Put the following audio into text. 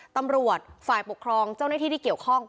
ตำรวจฝ่ายปกครองเจ้าหน้าที่ที่เกี่ยวข้อง